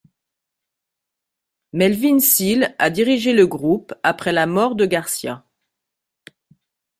Melvin Seals a dirigé le groupe après la mort de Garcia.